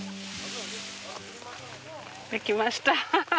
できました。